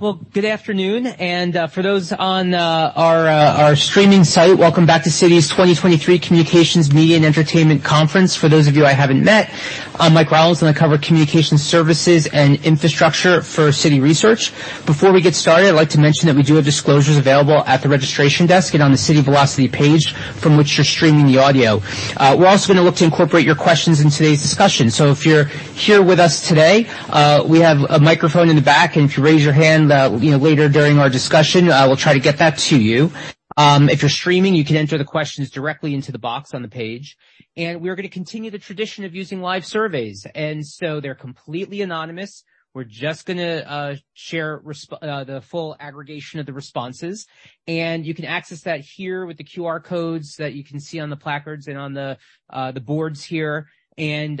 Well, good afternoon. For those on our streaming site, welcome back to Citi's 2023 Communications, Media, and Entertainment Conference. For those of you I haven't met, I'm Michael Rollins, and I cover communications services and infrastructure for Citi Research. Before we get started, I'd like to mention that we do have disclosures available at the registration desk and on the Citi Velocity page from which you're streaming the audio. We're also gonna look to incorporate your questions in today's discussion. If you're here with us today, we have a microphone in the back, and if you raise your hand, you know, later during our discussion, we'll try to get that to you. If you're streaming, you can enter the questions directly into the box on the page. We're gonna continue the tradition of using live surveys. They're completely anonymous. We're just gonna share the full aggregation of the responses, and you can access that here with the QR codes that you can see on the placards and on the boards here.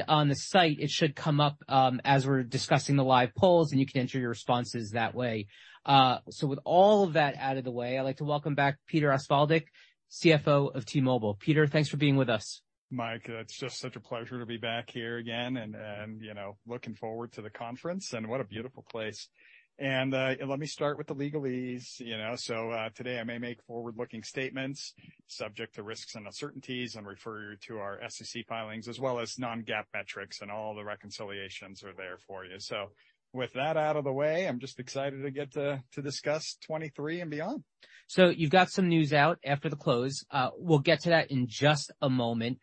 On the site, it should come up as we're discussing the live polls, and you can enter your responses that way. With all of that out of the way, I'd like to welcome back Peter Osvaldik, CFO of T-Mobile. Peter, thanks for being with us. Mike, it's just such a pleasure to be back here again and, you know, looking forward to the conference, what a beautiful place. Let me start with the legalese. You know, today I may make forward-looking statements subject to risks and uncertainties and refer to our SEC filings as well as non-GAAP metrics, all the reconciliations are there for you. With that out of the way, I'm just excited to get to discuss 2023 and beyond. You've got some news out after the close. We'll get to that in just a moment.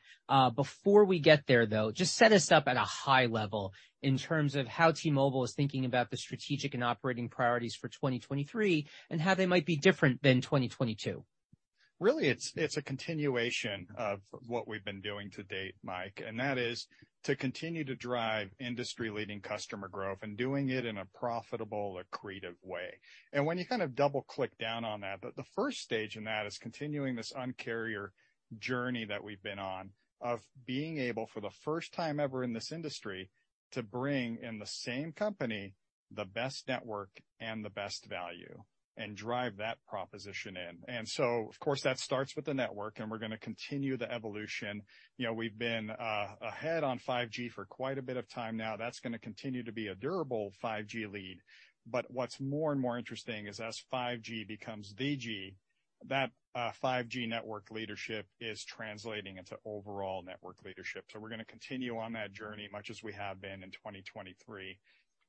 Before we get there, though, just set us up at a high level in terms of how T-Mobile is thinking about the strategic and operating priorities for 2023 and how they might be different than 2022. Really, it's a continuation of what we've been doing to date, Mike. That is to continue to drive industry-leading customer growth and doing it in a profitable, accretive way. When you kind of double-click down on that, the first stage in that is continuing this Un-carrier journey that we've been on of being able, for the first time ever in this industry, to bring in the same company, the best network and the best value, and drive that proposition in. Of course, that starts with the network, and we're gonna continue the evolution. You know, we've been ahead on 5G for quite a bit of time now. That's gonna continue to be a durable 5G lead. What's more and more interesting is as 5G becomes the G, that 5G network leadership is translating into overall network leadership. We're gonna continue on that journey much as we have been in 2023.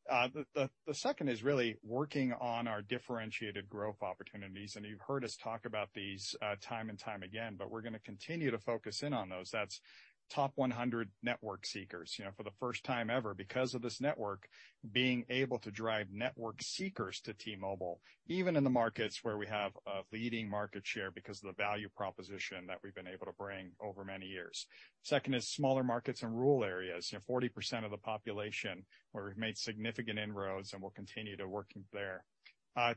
The second is really working on our differentiated growth opportunities. You've heard us talk about these time and time again. We're gonna continue to focus in on those. That's top 100 network seekers. You know, for the first time ever, because of this network being able to drive network seekers to T-Mobile, even in the markets where we have a leading market share because of the value proposition that we've been able to bring over many years. Second is smaller markets in rural areas. You know, 40% of the population where we've made significant inroads and will continue to work there.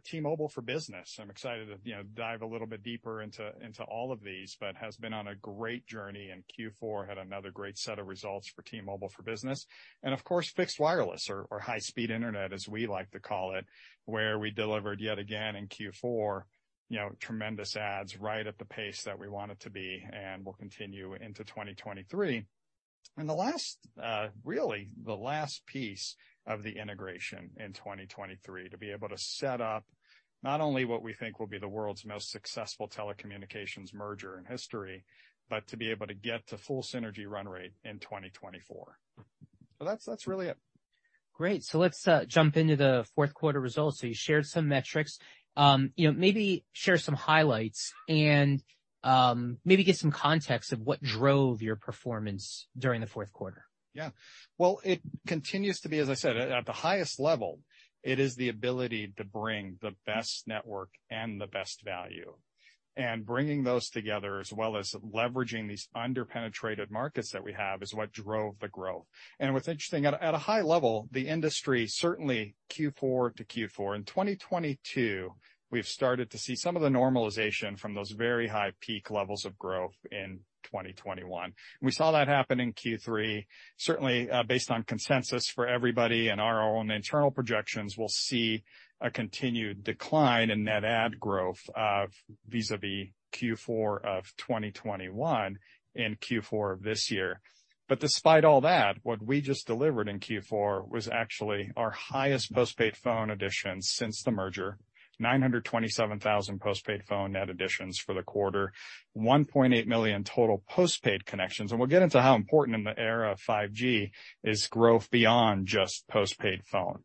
T-Mobile for Business. I'm excited to, you know, dive a little bit deeper into all of these, but has been on a great journey, and Q4 had another great set of results for T-Mobile for Business. Of course, fixed wireless or high-speed internet, as we like to call it, where we delivered yet again in Q4, you know, tremendous adds right at the pace that we want it to be and will continue into 2023. The last, really the last piece of the integration in 2023, to be able to set up not only what we think will be the world's most successful telecommunications merger in history, but to be able to get to full synergy run rate in 2024. That's really it. Great. Let's jump into the fourth quarter results. You shared some metrics. You know, maybe share some highlights and maybe give some context of what drove your performance during the fourth quarter. Yeah. Well, it continues to be, as I said, at the highest level, it is the ability to bring the best network and the best value. Bringing those together, as well as leveraging these under-penetrated markets that we have, is what drove the growth. What's interesting, at a high level, the industry, certainly Q4 to Q4. In 2022, we've started to see some of the normalization from those very high peak levels of growth in 2021. We saw that happen in Q3, certainly, based on consensus for everybody and our own internal projections. We'll see a continued decline in net add growth vis-à-vis Q4 of 2021 and Q4 of this year. Despite all that, what we just delivered in Q4 was actually our highest postpaid phone additions since the merger. 927,000 postpaid phone net additions for the quarter. 1.8 million total postpaid connections. We'll get into how important in the era of 5G is growth beyond just postpaid phone.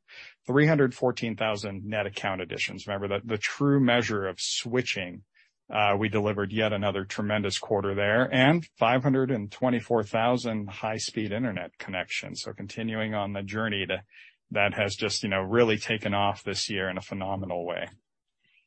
314,000 net account additions. Remember the true measure of switching. We delivered yet another tremendous quarter there. 524,000 high-speed internet connections. Continuing on the journey that has just, you know, really taken off this year in a phenomenal way.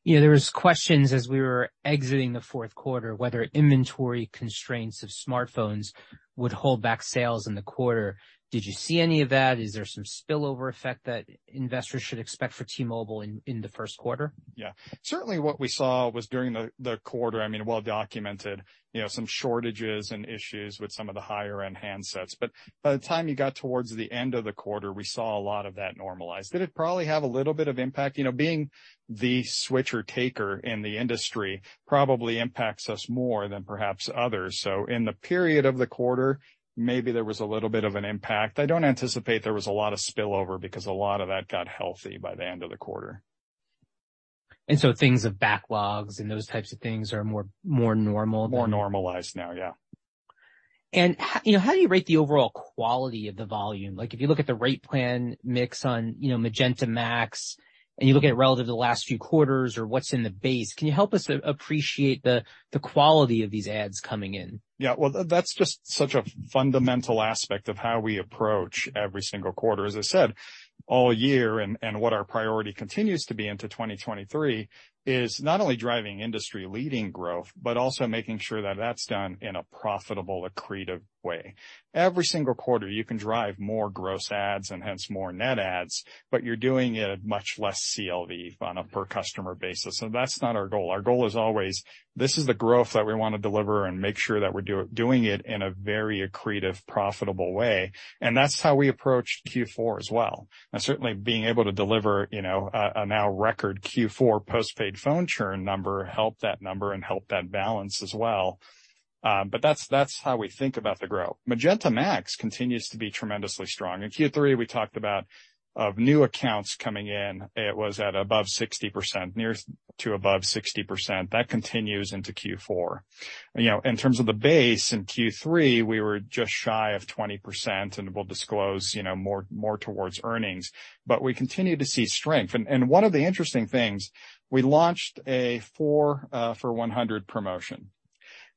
There was questions as we were exiting the fourth quarter, whether inventory constraints of smartphones would hold back sales in the quarter. Did you see any of that? Is there some spillover effect that investors should expect for T-Mobile in the first quarter? Yeah. Certainly what we saw was during the quarter, I mean, well documented, you know, some shortages and issues with some of the higher-end handsets. By the time you got towards the end of the quarter, we saw a lot of that normalize. Did it probably have a little bit of impact? You know, being the switcher taker in the industry probably impacts us more than perhaps others. In the period of the quarter, maybe there was a little bit of an impact. I don't anticipate there was a lot of spillover because a lot of that got healthy by the end of the quarter. Things of backlogs and those types of things are more normal. More normalized now, yeah. You know, how do you rate the overall quality of the volume? Like, if you look at the rate plan mix on, you know, Magenta MAX, and you look at it relative to the last few quarters or what's in the base, can you help us appreciate the quality of these ads coming in? Yeah. Well, that's just such a fundamental aspect of how we approach every single quarter. As I said, all year, and what our priority continues to be into 2023 is not only driving industry-leading growth but also making sure that that's done in a profitable, accretive way. Every single quarter, you can drive more gross adds and hence more net adds, but you're doing it at much less CLV on a per customer basis. That's not our goal. Our goal is always, this is the growth that we wanna deliver and make sure that we're doing it in a very accretive, profitable way. That's how we approach Q4 as well. Certainly being able to deliver, you know, a now record Q4 postpaid phone churn number helped that number and helped that balance as well. That's how we think about the growth. Magenta MAX continues to be tremendously strong. In Q3, we talked about of new accounts coming in, it was at above 60%, near to above 60%. That continues into Q4. You know, in terms of the base, in Q3, we were just shy of 20%, and we'll disclose, you know, more towards earnings. We continue to see strength. One of the interesting things, we launched a four for 100 promotion.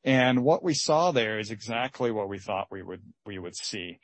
What we saw there is exactly what we thought we would see.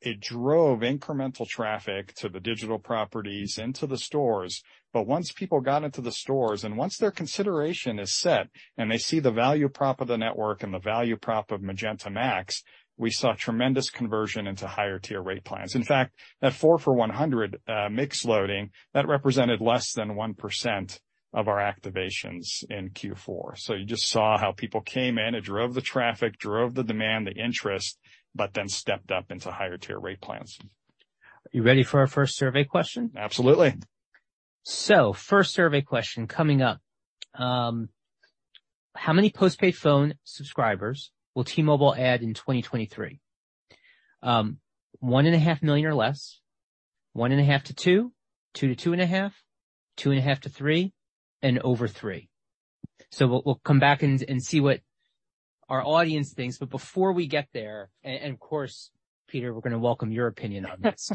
It drove incremental traffic to the digital properties into the stores. Once people got into the stores and once their consideration is set and they see the value prop of the network and the value prop of Magenta MAX, we saw tremendous conversion into higher tier rate plans. In fact, that four for $100 mix loading, that represented less than 1% of our activations in Q4. You just saw how people came in. It drove the traffic, drove the demand, the interest, but then stepped up into higher tier rate plans. Are you ready for our first survey question? Absolutely. First survey question coming up. How many postpaid phone subscribers will T-Mobile add in 2023? 1.5 million or less, 1.5 million-2 million, 2 million-2.5 million, 2.5 million-3 million, and over 3 million. We'll come back and see what our audience thinks. Before we get there, and of course, Peter, we're gonna welcome your opinion on this.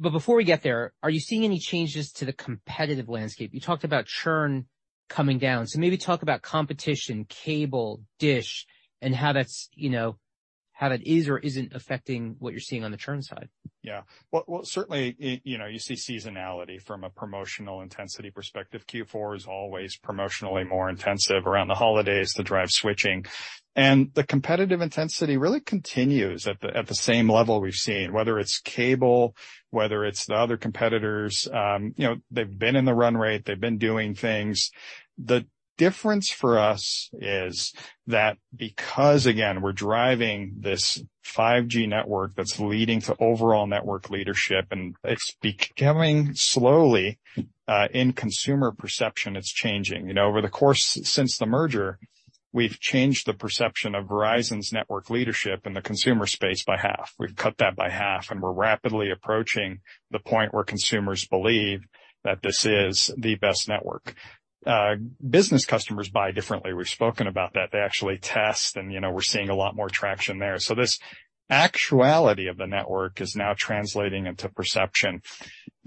Before we get there, are you seeing any changes to the competitive landscape? You talked about churn coming down, so maybe talk about competition, cable, DISH, and how that's, you know, how that is or isn't affecting what you're seeing on the churn side? Well, certainly, you know, you see seasonality from a promotional intensity perspective. Q4 is always promotionally more intensive around the holidays to drive switching. The competitive intensity really continues at the same level we've seen, whether it's cable, whether it's the other competitors. You know, they've been in the run rate. They've been doing things. The difference for us is that because, again, we're driving this 5G network that's leading to overall network leadership, and it's becoming slowly, in consumer perception, it's changing. You know, over the course since the merger, we've changed the perception of Verizon's network leadership in the consumer space by half. We've cut that by half, and we're rapidly approaching the point where consumers believe that this is the best network. Business customers buy differently. We've spoken about that. They actually test and, you know, we're seeing a lot more traction there. This actuality of the network is now translating into perception.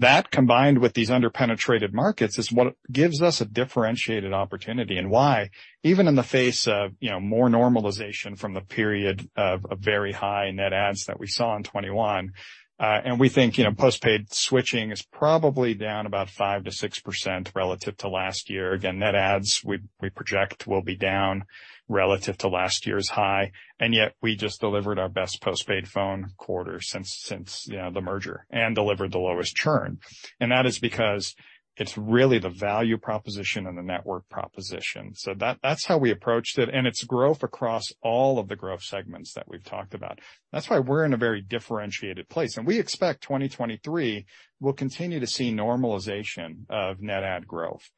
That combined with these under-penetrated markets is what gives us a differentiated opportunity and why even in the face of, you know, more normalization from the period of very high net adds that we saw in 2021, and we think, you know, postpaid switching is probably down about 5%-6% relative to last year. Again, net adds we project will be down relative to last year's high, and yet we just delivered our best postpaid phone quarter since, you know, the merger and delivered the lowest churn. That is because it's really the value proposition and the network proposition. That, that's how we approached it, and it's growth across all of the growth segments that we've talked about. That's why we're in a very differentiated place. We expect 2023 will continue to see normalization of net add growth.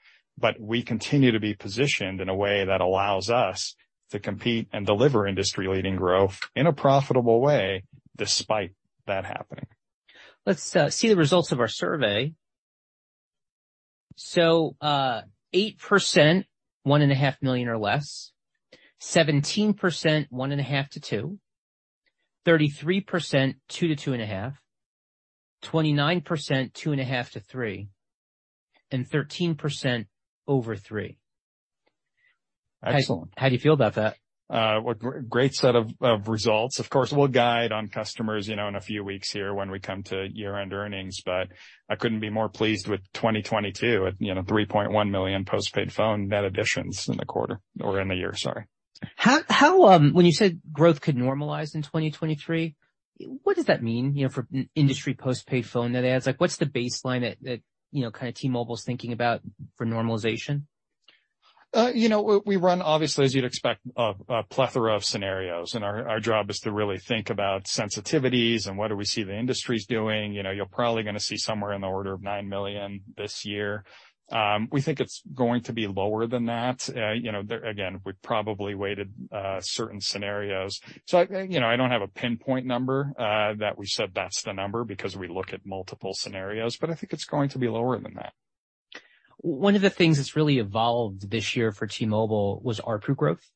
We continue to be positioned in a way that allows us to compete and deliver industry-leading growth in a profitable way despite that happening. Let's see the results of our survey. 8%, one and a half million or less, 17%, one and a half to two, 33%, two to two and a half, 29%, two and a half to three, and 13% over three. Excellent. How do you feel about that? Great set of results. Of course, we'll guide on customers, you know, in a few weeks here when we come to year-end earnings. I couldn't be more pleased with 2022 at, you know, $3.1 million postpaid phone net additions in the quarter or in the year, sorry. How, when you said growth could normalize in 2023, what does that mean, you know, for industry postpaid phone net adds? Like, what's the baseline that, you know, kinda T-Mobile's thinking about for normalization? You know, we run, obviously, as you'd expect, a plethora of scenarios, and our job is to really think about sensitivities and what do we see the industry's doing. You know, you're probably gonna see somewhere in the order of 9 million this year. We think it's going to be lower than that. You know, there again, we probably weighted certain scenarios. I, you know, I don't have a pinpoint number that we said that's the number because we look at multiple scenarios, but I think it's going to be lower than that. One of the things that's really evolved this year for T-Mobile was ARPU growth.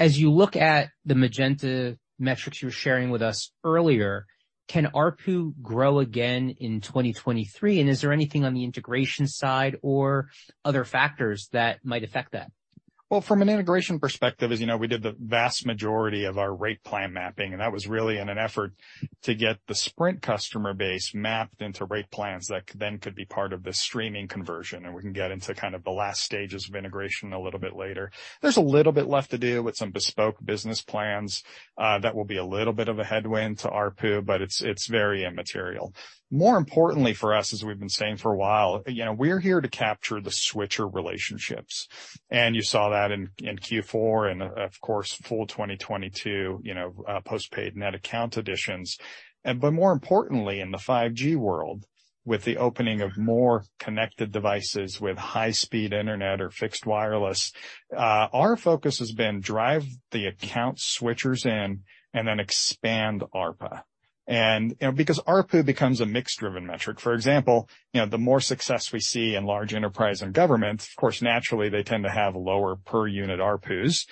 As you look at the Magenta metrics you were sharing with us earlier, can ARPU grow again in 2023, and is there anything on the integration side or other factors that might affect that? Well, from an integration perspective, as you know, we did the vast majority of our rate plan mapping. That was really in an effort to get the Sprint customer base mapped into rate plans that then could be part of the streaming conversion. We can get into kind of the last stages of integration a little bit later. There's a little bit left to do with some bespoke business plans that will be a little bit of a headwind to ARPU, it's very immaterial. More importantly for us, as we've been saying for a while, you know, we're here to capture the switcher relationships. You saw that in Q4 and of course, full 2022, you know, postpaid net account additions. But more importantly, in the 5G world, with the opening of more connected devices with high speed internet or fixed wireless, our focus has been drive the account switchers in and then expand ARPA. You know, because ARPU becomes a mix-driven metric. For example, you know, the more success we see in large enterprise and governments, of course, naturally they tend to have lower per unit ARPUs,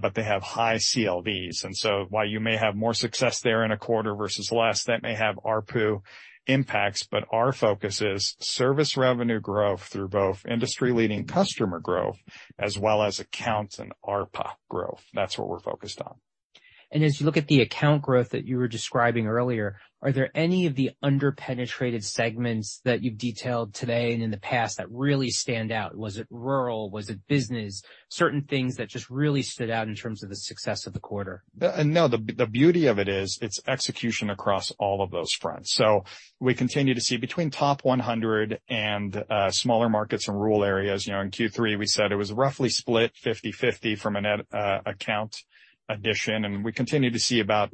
but they have high CLVs. While you may have more success there in a quarter versus less, that may have ARPU impacts, but our focus is service revenue growth through both industry-leading customer growth as well as accounts and ARPA growth. That's what we're focused on. As you look at the account growth that you were describing earlier, are there any of the under-penetrated segments that you've detailed today and in the past that really stand out? Was it rural? Was it business? Certain things that just really stood out in terms of the success of the quarter? The beauty of it is it's execution across all of those fronts. We continue to see between top 100 and smaller markets and rural areas. You know, in Q3, we said it was roughly split 50/50 from a net account addition, and we continue to see about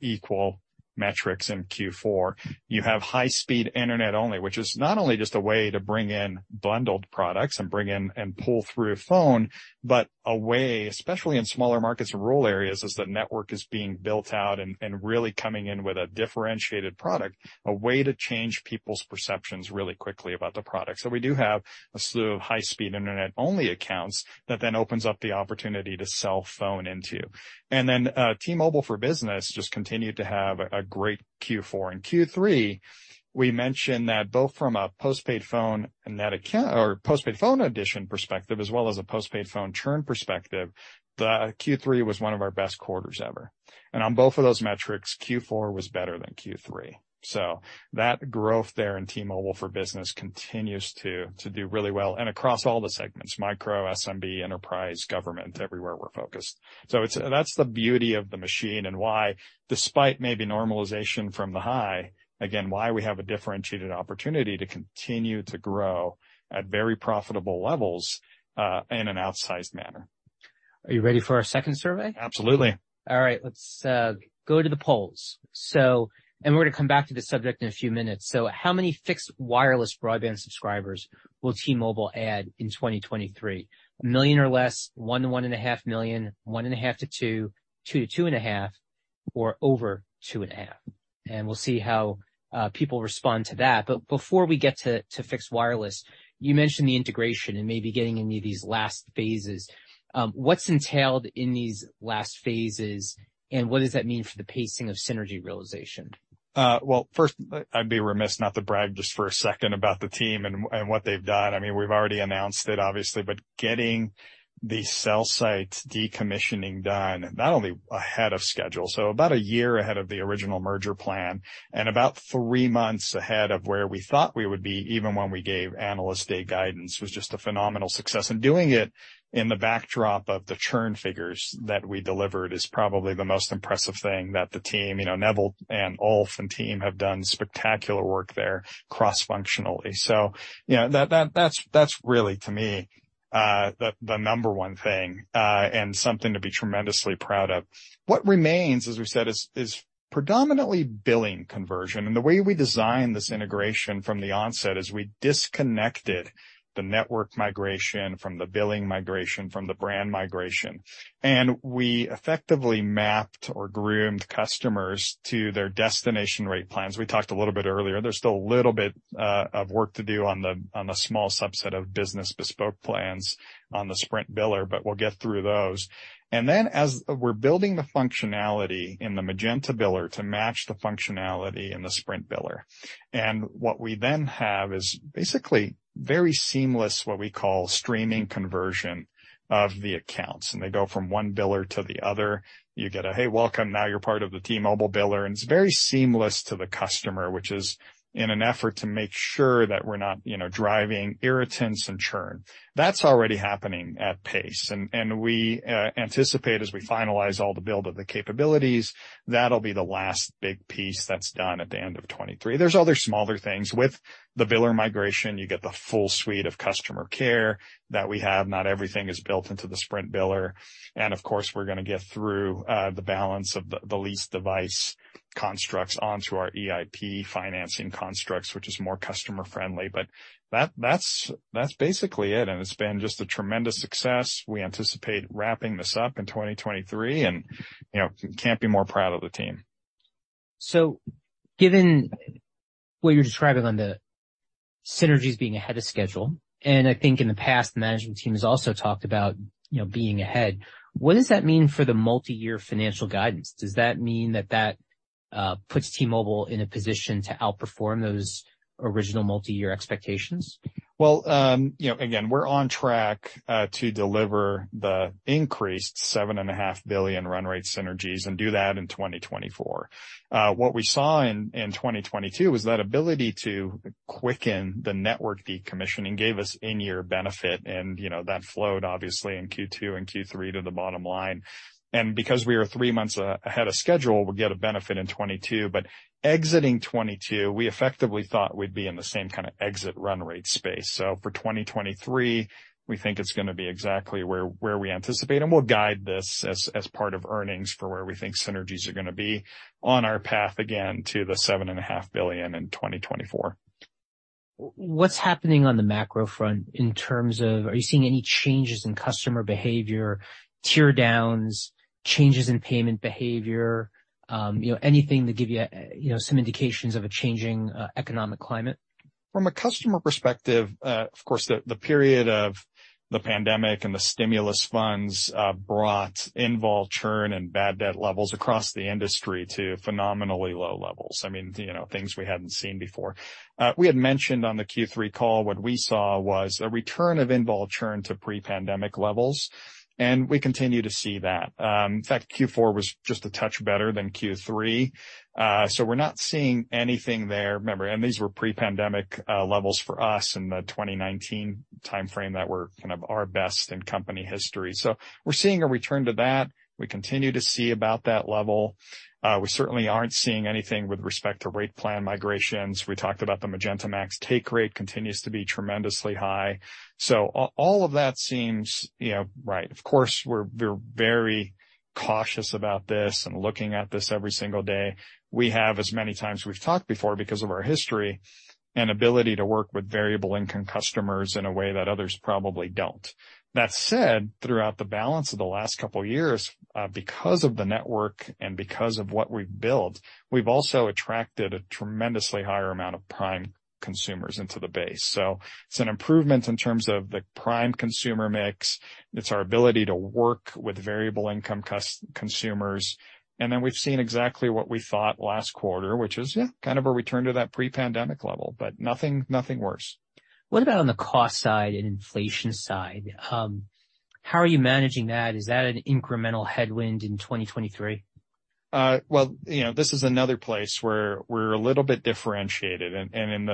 equal metrics in Q4. You have high-speed internet only, which is not only just a way to bring in bundled products and bring in and pull through phone, but a way, especially in smaller markets and rural areas, as the network is being built out and really coming in with a differentiated product, a way to change people's perceptions really quickly about the product. We do have a slew of high-speed internet only accounts that then opens up the opportunity to sell phone into. T-Mobile for Business just continued to have a great Q4. In Q3, we mentioned that both from a postpaid phone net account or postpaid phone addition perspective as well as a postpaid phone churn perspective, the Q3 was one of our best quarters ever. On both of those metrics, Q4 was better than Q3. That growth there in T-Mobile for Business continues to do really well and across all the segments, micro, SMB, enterprise, government, everywhere we're focused. That's the beauty of the machine and why, despite maybe normalization from the high, again, why we have a differentiated opportunity to continue to grow at very profitable levels, in an outsized manner. Are you ready for our second survey? Absolutely. All right. Let's go to the polls. We're going to come back to the subject in a few minutes. How many fixed wireless broadband subscribers will T-Mobile add in 2023? 1 million or less, 1 million-1.5 million, 1.5 million-2 million, 2 million-2.5 million, or over 2.5 million. We'll see how people respond to that. Before we get to fixed wireless, you mentioned the integration and maybe getting any of these last phases. What's entailed in these last phases, and what does that mean for the pacing of synergy realization? Well, first, I'd be remiss not to brag just for a second about the team and what they've done. I mean, we've already announced it obviously, but getting the cell site decommissioning done not only ahead of schedule, so about 1 year ahead of the original merger plan and about three months ahead of where we thought we would be, even when we gave Analyst Day guidance, was just a phenomenal success. Doing it in the backdrop of the churn figures that we delivered is probably the most impressive thing that the team, you know, Neville and Ulf and team have done spectacular work there cross-functionally. You know, that's really, to me, the number one thing, and something to be tremendously proud of. What remains, as we said, is predominantly billing conversion. The way we designed this integration from the onset is we disconnected the network migration from the billing migration from the brand migration. We effectively mapped or groomed customers to their destination rate plans. We talked a little bit earlier. There's still a little bit of work to do on the, on the small subset of business bespoke plans on the Sprint biller, but we'll get through those. As we're building the functionality in the Magenta biller to match the functionality in the Sprint biller. What we then have is basically very seamless, what we call streaming conversion of the accounts. They go from one biller to the other. You get a, "Hey, welcome. Now you're part of the T-Mobile biller. It's very seamless to the customer, which is in an effort to make sure that we're not, you know, driving irritants and churn. That's already happening at pace. We anticipate as we finalize all the build of the capabilities, that'll be the last big piece that's done at the end of 2023. There's other smaller things. With the biller migration, you get the full suite of customer care that we have. Not everything is built into the Sprint biller. Of course, we're gonna get through the balance of the lease device constructs onto our EIP financing constructs, which is more customer-friendly. That's basically it. It's been just a tremendous success. We anticipate wrapping this up in 2023 and, you know, can't be more proud of the team. Given what you're describing on the synergies being ahead of schedule, and I think in the past, the management team has also talked about, you know, being ahead, what does that mean for the multi-year financial guidance? Does that mean that puts T-Mobile in a position to outperform those original multi-year expectations? Well, you know, again, we're on track to deliver the increased $7 and a half billion run rate synergies and do that in 2024. What we saw in 2022 was that ability to quicken the network decommissioning gave us in-year benefit, and, you know, that flowed obviously in Q2 and Q3 to the bottom line. Because we are three months ahead of schedule, we'll get a benefit in 2022. Exiting 2022, we effectively thought we'd be in the same kinda exit run rate space. For 2023, we think it's gonna be exactly where we anticipate, and we'll guide this as part of earnings for where we think synergies are gonna be on our path again to the $7 and a half billion in 2024. What's happening on the macro front in terms of are you seeing any changes in customer behavior, tear downs, changes in payment behavior? you know, anything to give you know, some indications of a changing economic climate? From a customer perspective, of course, the period of the pandemic and the stimulus funds brought involved churn and bad debt levels across the industry to phenomenally low levels. I mean, you know, things we hadn't seen before. We had mentioned on the Q3 call what we saw was a return of involved churn to pre-pandemic levels, and we continue to see that. In fact, Q4 was just a touch better than Q3. We're not seeing anything there. Remember, these were pre-pandemic levels for us in the 2019 timeframe that were kind of our best in company history. We're seeing a return to that. We continue to see about that level. We certainly aren't seeing anything with respect to rate plan migrations. We talked about the Magenta MAX take rate continues to be tremendously high. All of that seems, you know, right. Of course, we're very cautious about this and looking at this every single day. We have, as many times we've talked before because of our history, an ability to work with variable income customers in a way that others probably don't. That said, throughout the balance of the last couple years, because of the network and because of what we've built, we've also attracted a tremendously higher amount of prime consumers into the base. It's an improvement in terms of the prime consumer mix. It's our ability to work with variable income consumers. We've seen exactly what we thought last quarter, which is, yeah, kind of a return to that pre-pandemic level, but nothing worse. What about on the cost side and inflation side? How are you managing that? Is that an incremental headwind in 2023? Well, you know, this is another place where we're a little bit differentiated. In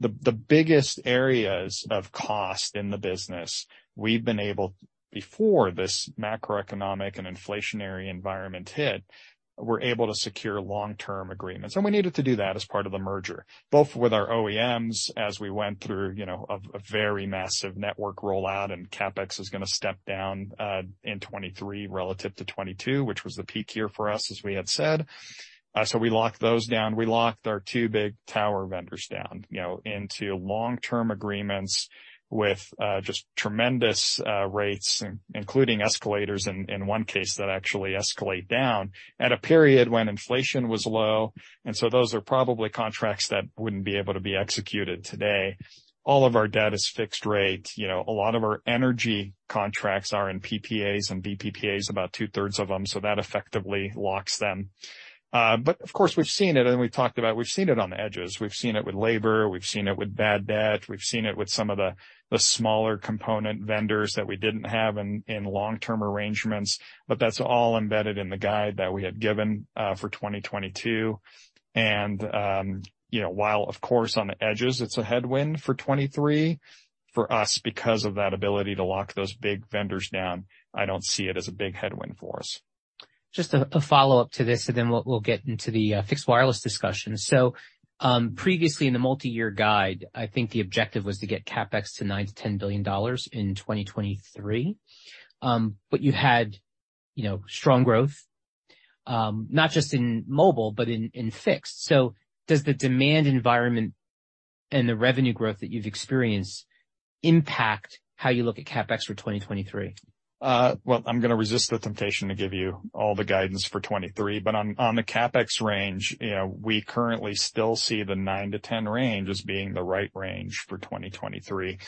the biggest areas of cost in the business, before this macroeconomic and inflationary environment hit, we're able to secure long-term agreements, and we needed to do that as part of the merger, both with our OEMs as we went through, you know, a very massive network rollout and CapEx is gonna step down in 2023 relative to 2022, which was the peak year for us, as we had said. We locked those down. We locked our two big tower vendors down, you know, into long-term agreements with just tremendous rates, including escalators in one case that actually escalate down at a period when inflation was low. Those are probably contracts that wouldn't be able to be executed today. All of our debt is fixed rate. You know, a lot of our energy contracts are in PPAs and VPPAs, about 2/3 of them, so that effectively locks them. But of course, we've seen it and we've talked about, we've seen it on the edges. We've seen it with labor. We've seen it with bad debt. We've seen it with some of the smaller component vendors that we didn't have in long-term arrangements, but that's all embedded in the guide that we had given for 2022. You know, while of course on the edges it's a headwind for 2023, for us because of that ability to lock those big vendors down, I don't see it as a big headwind for us. Just a follow-up to this and then we'll get into the fixed wireless discussion. Previously in the multi-year guide, I think the objective was to get CapEx to $9 billion-$10 billion in 2023. You had, you know, strong growth, not just in mobile, but in fixed. Does the demand environment and the revenue growth that you've experienced impact how you look at CapEx for 2023? Well, I'm gonna resist the temptation to give you all the guidance for 2023, but on the CapEx range, you know, we currently still see the 9-10 range as being the right range for 2023.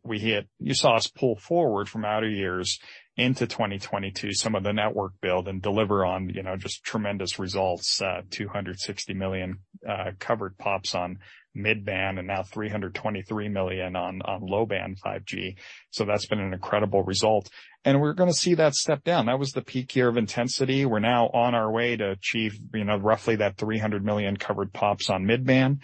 We hit you saw us pull forward from outer years into 2022 some of the network build and deliver on, you know, just tremendous results, 260 million covered pops on mid-band and now 323 million on low-band 5G. That's been an incredible result. We're gonna see that step down. That was the peak year of intensity. We're now on our way to achieve, you know, roughly that 300 million covered pops on mid-band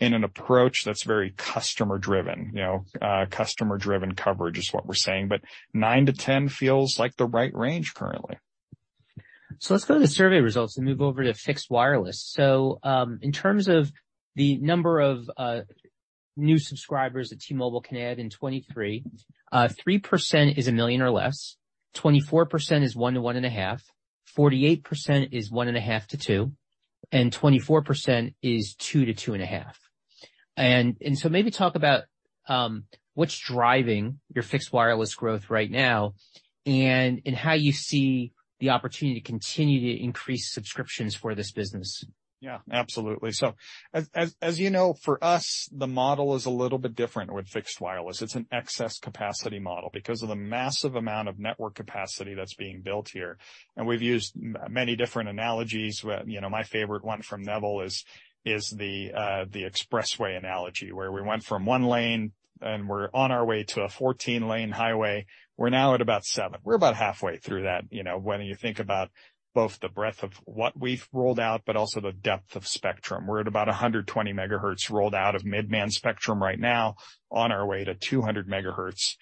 in an approach that's very customer driven. You know, customer-driven coverage is what we're saying. 9-10 feels like the right range currently. Let's go to the survey results and move over to fixed wireless. In terms of the number of new subscribers that T-Mobile can add in 2023, 3% is $1 million or less, 24% is $1 million-$1.5 million, 48% is $1.5 million-$2 million, and 24% is $2 million-$2.5 million. Maybe talk about what's driving your fixed wireless growth right now and how you see the opportunity to continue to increase subscriptions for this business? Yeah, absolutely. As you know, for us, the model is a little bit different with fixed wireless. It's an excess capacity model because of the massive amount of network capacity that's being built here. We've used many different analogies, but, you know, my favorite one from Neville is the expressway analogy, where we went from one lane and we're on our way to a 14-lane highway. We're now at about seven. We're about halfway through that, you know. When you think about both the breadth of what we've rolled out, but also the depth of spectrum. We're at about 120 megahertz rolled out of mid-band spectrum right now on our way to 200 megahertz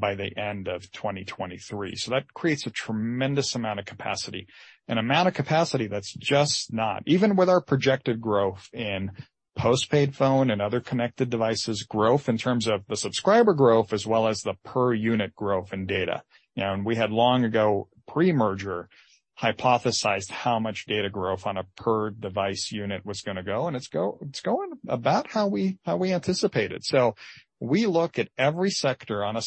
by the end of 2023. That creates a tremendous amount of capacity, an amount of capacity that's just not... even with our projected growth in postpaid phone and other connected devices growth in terms of the subscriber growth as well as the per unit growth in data. You know, we had long ago, pre-merger, hypothesized how much data growth on a per device unit was going to go, and it's going about how we, how we anticipated. We look at every sector. On a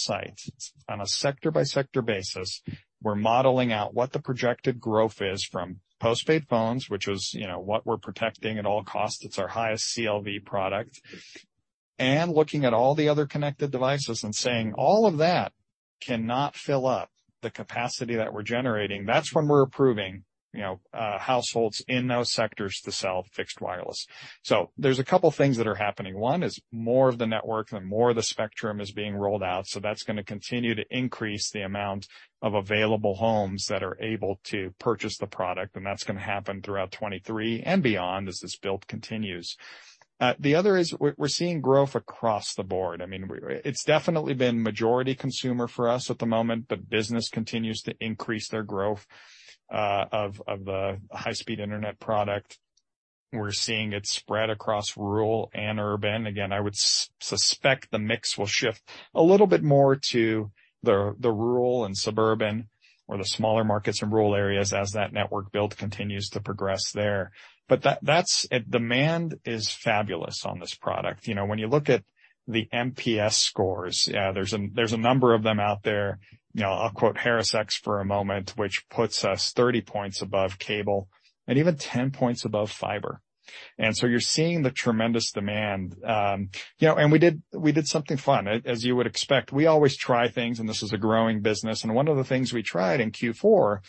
sector by sector basis, we're modeling out what the projected growth is from postpaid phones, which is, you know, what we're protecting at all costs. It's our highest CLV product. Looking at all the other connected devices and saying all of that cannot fill up the capacity that we're generating. That's when we're approving, you know, households in those sectors to sell fixed wireless. There's a couple things that are happening. One is more of the network and more of the spectrum is being rolled out, so that's going to continue to increase the amount of available homes that are able to purchase the product, and that's going to happen throughout 2023 and beyond as this build continues. The other is we're seeing growth across the board. I mean, it's definitely been majority consumer for us at the moment, but business continues to increase their growth of the high-speed internet product. We're seeing it spread across rural and urban. Again, I would suspect the mix will shift a little bit more to the rural and suburban or the smaller markets in rural areas as that network build continues to progress there. Demand is fabulous on this product. You know, when you look at the NPS scores, yeah, there's a number of them out there. I'll quote HarrisX for a moment, which puts us 30 points above cable and even 10 points above fiber. You're seeing the tremendous demand. We did something fun. As you would expect, we always try things, this is a growing business. One of the things we tried in Q4,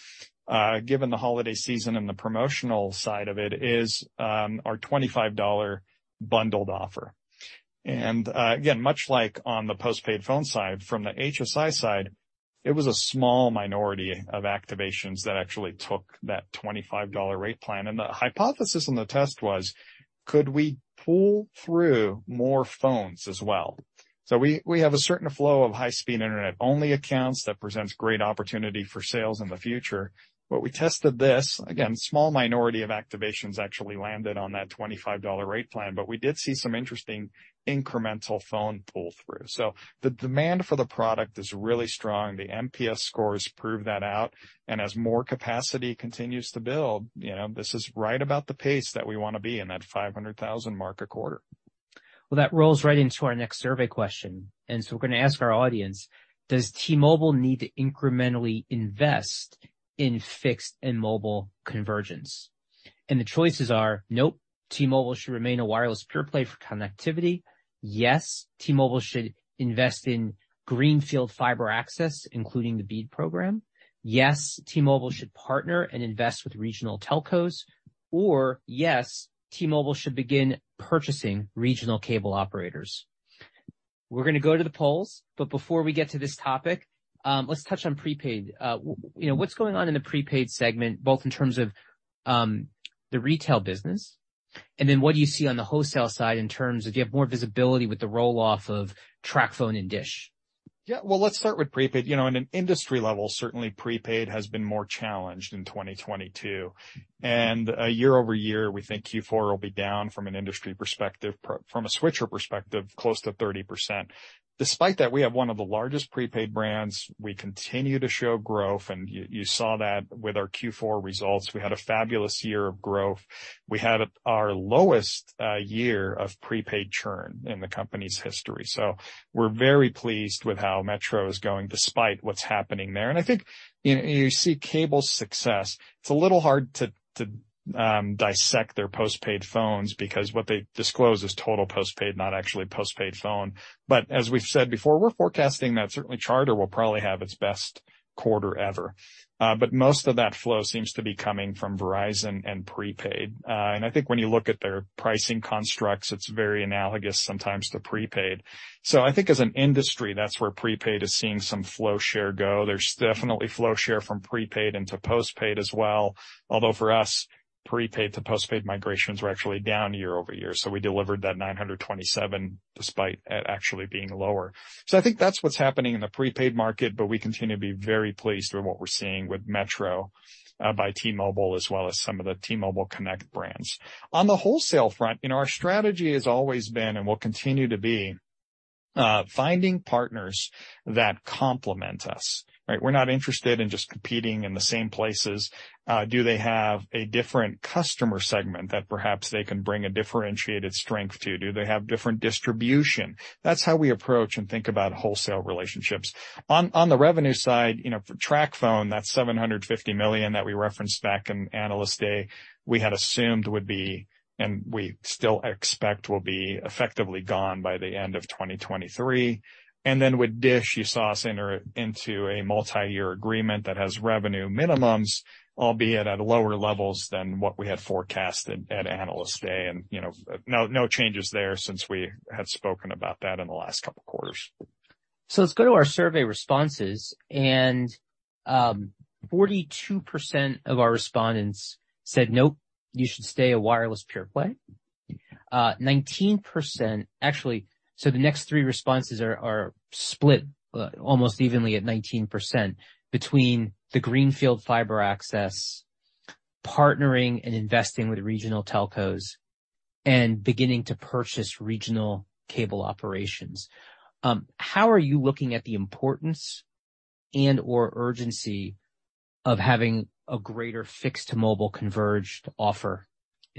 given the holiday season and the promotional side of it, is our $25 bundled offer. Again, much like on the postpaid phone side, from the HSI side, it was a small minority of activations that actually took that $25 rate plan. The hypothesis on the test was, could we pull through more phones as well? We have a certain flow of high-speed internet only accounts that presents great opportunity for sales in the future. We tested this. Small minority of activations actually landed on that $25 rate plan, but we did see some interesting incremental phone pull through. The demand for the product is really strong. The NPS scores prove that out. As more capacity continues to build, you know, this is right about the pace that we want to be in that 500,000 mark a quarter. Well, that rolls right into our next survey question, we're going to ask our audience, does T-Mobile need to incrementally invest in fixed and mobile convergence? The choices are, nope, T-Mobile should remain a wireless pure play for connectivity. Yes, T-Mobile should invest in greenfield fiber access, including the BEAD Program. Yes, T-Mobile should partner and invest with regional telcos. Yes, T-Mobile should begin purchasing regional cable operators. We're gonna go to the polls, but before we get to this topic, let's touch on prepaid. What's going on in the prepaid segment, both in terms of the retail business, and then what do you see on the wholesale side in terms of do you have more visibility with the roll-off of TracFone and DISH? Well, let's start with prepaid. You know, on an industry level, certainly prepaid has been more challenged in 2022. Year-over-year, we think Q4 will be down from an industry perspective, from a switcher perspective, close to 30%. Despite that, we have one of the largest prepaid brands. We continue to show growth, and you saw that with our Q4 results. We had a fabulous year of growth. We had our lowest year of prepaid churn in the company's history. We're very pleased with how Metro is going despite what's happening there. I think you see Cable's success. It's a little hard to dissect their postpaid phones because what they disclose is total postpaid, not actually postpaid phone. As we've said before, we're forecasting that certainly Charter will probably have its best quarter ever. Most of that flow seems to be coming from Verizon and prepaid. I think when you look at their pricing constructs, it's very analogous sometimes to prepaid. I think as an industry, that's where prepaid is seeing some flow share go. There's definitely flow share from prepaid into postpaid as well. Although for us, prepaid to postpaid migrations were actually down year-over-year, so we delivered that 927 despite it actually being lower. I think that's what's happening in the prepaid market, but we continue to be very pleased with what we're seeing with Metro by T-Mobile, as well as some of the T-Mobile Connect brands. On the wholesale front, you know, our strategy has always been and will continue to be finding partners that complement us, right? We're not interested in just competing in the same places. Do they have a different customer segment that perhaps they can bring a differentiated strength to? Do they have different distribution? That's how we approach and think about wholesale relationships. On the revenue side, you know, for Tracfone, that $750 million that we referenced back in Analyst Day, we had assumed would be, and we still expect will be effectively gone by the end of 2023. With DISH, you saw us enter into a multi-year agreement that has revenue minimums, albeit at lower levels than what we had forecasted at Analyst Day. You know, no changes there since we had spoken about that in the last couple of quarters. Let's go to our survey responses. 42% of our respondents said, nope, you should stay a wireless pure play. 19% actually, the next three responses are split, almost evenly at 19% between the greenfield fiber access, partnering and investing with regional telcos, and beginning to purchase regional cable operations. How are you looking at the importance and/or urgency of having a greater fixed to mobile converged offer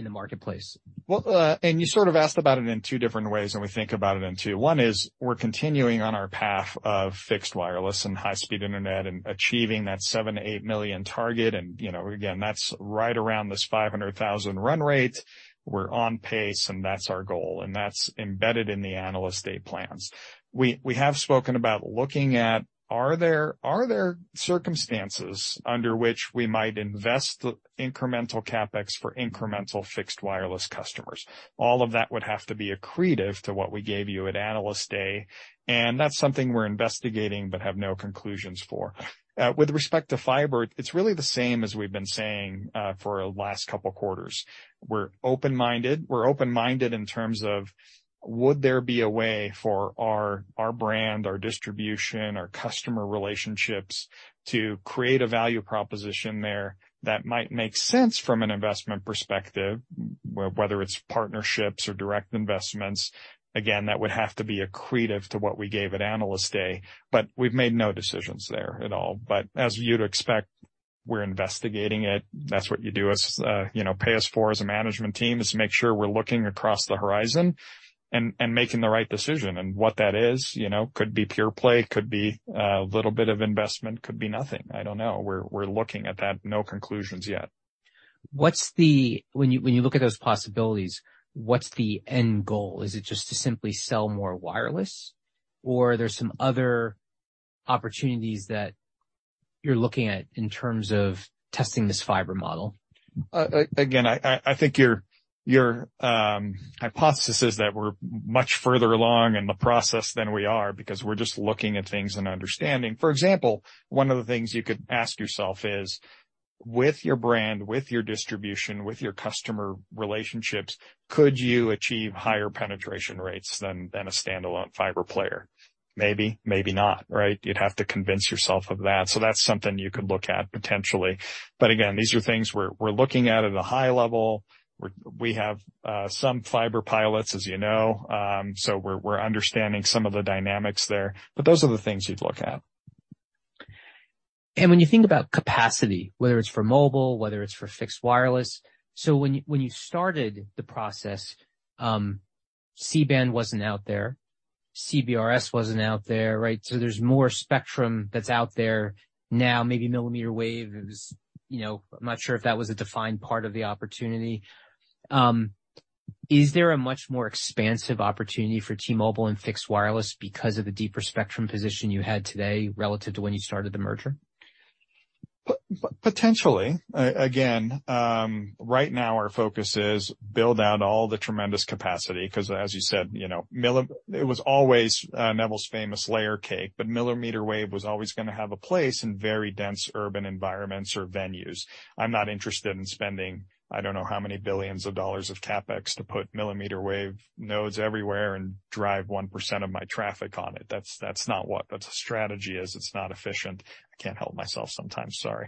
in the marketplace? Well, you sort of asked about it in two different ways, and we think about it in two. One is we're continuing on our path of fixed wireless and high-speed internet and achieving that $7 million-$8 million target. You know, again, that's right around this $500,000 run rate. We're on pace, and that's our goal, and that's embedded in the Analyst Day plans. We have spoken about looking at are there circumstances under which we might invest incremental CapEx for incremental fixed wireless customers? All of that would have to be accretive to what we gave you at Analyst Day, and that's something we're investigating but have no conclusions for. With respect to fiber, it's really the same as we've been saying for the last couple of quarters. We're open-minded. We're open-minded in terms of would there be a way for our brand, our distribution, our customer relationships to create a value proposition there that might make sense from an investment perspective, whether it's partnerships or direct investments. Again, that would have to be accretive to what we gave at Analyst Day. We've made no decisions there at all. As you'd expect, we're investigating it. That's what you do as, you know, pay us for as a management team is to make sure we're looking across the horizon and making the right decision. What that is, you know, could be pure play, could be a little bit of investment, could be nothing. I don't know. We're looking at that. No conclusions yet. When you, when you look at those possibilities, what's the end goal? Is it just to simply sell more wireless or are there some other opportunities that you're looking at in terms of testing this fiber model? Again, I think your hypothesis is that we're much further along in the process than we are because we're just looking at things and understanding. For example, one of the things you could ask yourself is, with your brand, with your distribution, with your customer relationships, could you achieve higher penetration rates than a standalone fiber player? Maybe. Maybe not, right? You'd have to convince yourself of that. That's something you could look at potentially. Again, these are things we're looking at at a high level. We have some fiber pilots, as you know. We're understanding some of the dynamics there. Those are the things you'd look at. When you think about capacity, whether it's for mobile, whether it's for fixed wireless. When you started the process, C-band wasn't out there, CBRS wasn't out there, right? There's more spectrum that's out there now, maybe millimeter wave is, you know, I'm not sure if that was a defined part of the opportunity. Is there a much more expansive opportunity for T-Mobile and fixed wireless because of the deeper spectrum position you had today relative to when you started the merger? Potentially. Again, right now our focus is build out all the tremendous capacity because as you said, you know, It was always Neville's famous layer cake, millimeter wave was always going to have a place in very dense urban environments or venues. I'm not interested in spending I don't know how many billions of dollars of CapEx to put millimeter wave nodes everywhere and drive 1% of my traffic on it. That's not what the strategy is. It's not efficient. I can't help myself sometimes. Sorry.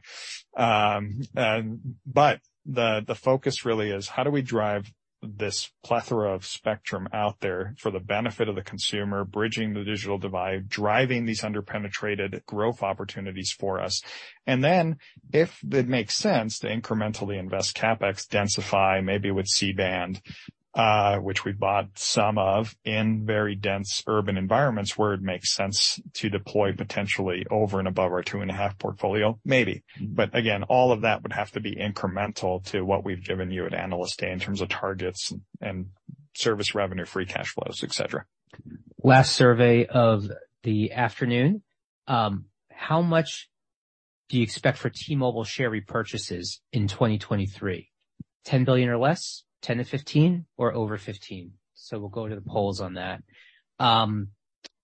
The focus really is how do we drive this plethora of spectrum out there for the benefit of the consumer, bridging the digital divide, driving these under-penetrated growth opportunities for us. If it makes sense to incrementally invest CapEx, densify maybe with C-band, which we bought some of in very dense urban environments where it makes sense to deploy potentially over and above our 2.5 portfolio, maybe. Again, all of that would have to be incremental to what we've given you at Analyst Day in terms of targets and service revenue, free cash flows, et cetera. Last survey of the afternoon. How much do you expect for T-Mobile share repurchases in 2023? $10 billion or less, $10 billion-$15 billion or over $15 billion. We'll go to the polls on that.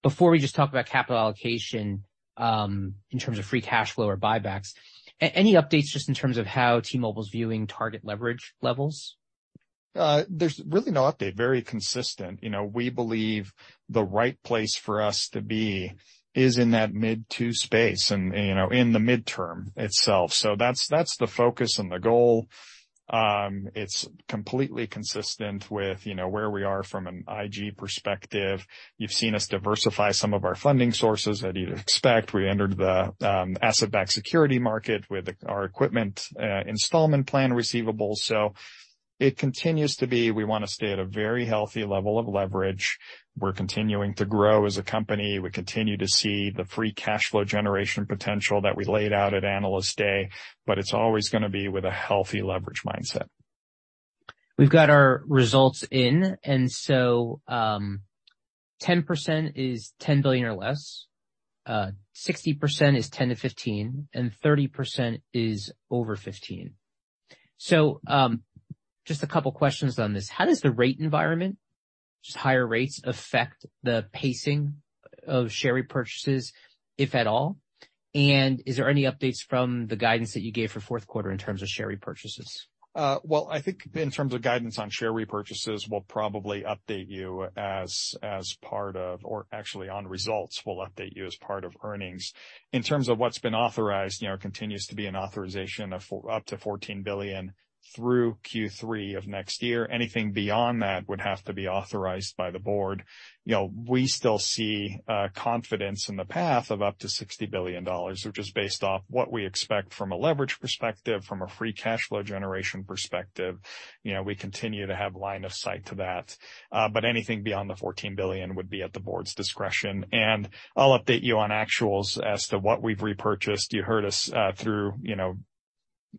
Before we just talk about capital allocation, in terms of free cash flow or buybacks, any updates just in terms of how T-Mobile's viewing target leverage levels? There's really no update. Very consistent. You know, we believe the right place for us to be is in that mid-two space and, you know, in the midterm itself. That's, that's the focus and the goal. It's completely consistent with, you know, where we are from an IG perspective. You've seen us diversify some of our funding sources that you'd expect. We entered the asset-backed security market with our equipment installment plan receivables. It continues to be we wanna stay at a very healthy level of leverage. We're continuing to grow as a company. We continue to see the free cash flow generation potential that we laid out at Analyst Day, but it's always gonna be with a healthy leverage mindset. We've got our results in. 10% is $10 billion or less, 60% is $10 billion-$15 billion, and 30% is over $15 billion. Just a couple questions on this. How does the rate environment, just higher rates, affect the pacing of share repurchases, if at all? Is there any updates from the guidance that you gave for fourth quarter in terms of share repurchases? Well, I think in terms of guidance on share repurchases, we'll probably update you as part of or actually on results, we'll update you as part of earnings. In terms of what's been authorized, you know, it continues to be an authorization of up to $14 billion through Q3 of next year. Anything beyond that would have to be authorized by the board. You know, we still see confidence in the path of up to $60 billion, which is based off what we expect from a leverage perspective, from a free cash flow generation perspective. You know, we continue to have line of sight to that. But anything beyond the $14 billion would be at the board's discretion. I'll update you on actuals as to what we've repurchased. You heard us, through, you know,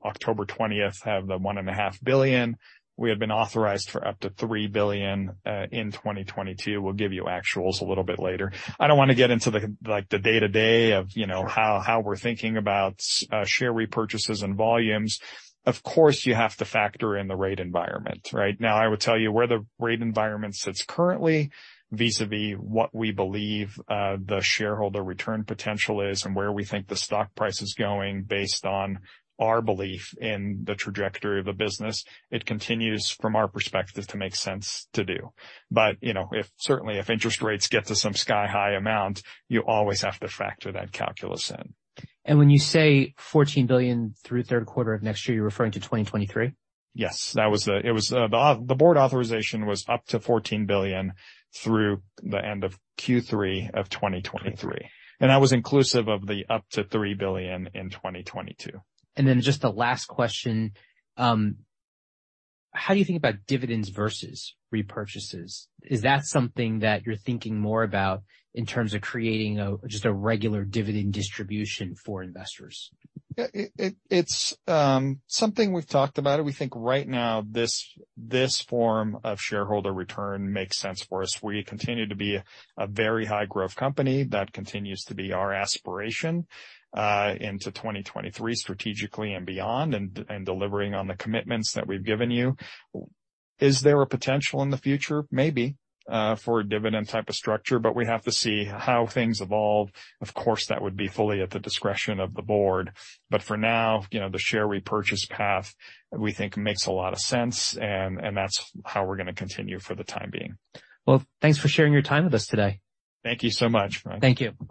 October 20th, have the $1.5 billion. We had been authorized for up to $3 billion in 2022. We'll give you actuals a little bit later. I don't wanna get into the, like, the day-to-day of, you know, how we're thinking about share repurchases and volumes. Of course, you have to factor in the rate environment, right? Now I would tell you where the rate environment sits currently vis-à-vis what we believe the shareholder return potential is and where we think the stock price is going based on our belief in the trajectory of the business. It continues, from our perspective, to make sense to do. You know, if certainly if interest rates get to some sky-high amount, you always have to factor that calculus in. When you say $14 billion through third quarter of next year, you're referring to 2023? Yes. That was the board authorization was up to $14 billion through the end of Q3 of 2023, and that was inclusive of the up to $3 billion in 2022. Just a last question. How do you think about dividends versus repurchases? Is that something that you're thinking more about in terms of creating a, just a regular dividend distribution for investors? Yeah. It's something we've talked about. We think right now, this form of shareholder return makes sense for us. We continue to be a very high-growth company. That continues to be our aspiration into 2023 strategically and beyond, and delivering on the commitments that we've given you. Is there a potential in the future? Maybe, for a dividend type of structure, but we have to see how things evolve. Of course, that would be fully at the discretion of the board. For now, you know, the share repurchase path, we think makes a lot of sense and that's how we're gonna continue for the time being. Well, thanks for sharing your time with us today. Thank you so much. Thank you.